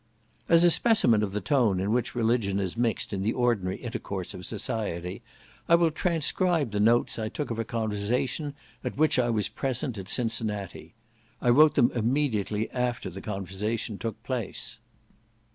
As a specimen of the tone in which religion is mixed in the ordinary intercourse of society, I will transcribe the notes I took of a conversation, at which I was present, at Cincinnati; I wrote them immediately after the conversation took place.